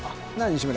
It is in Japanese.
西村